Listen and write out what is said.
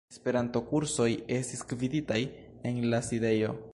Esperanto-kursoj estis gviditaj en la sidejo.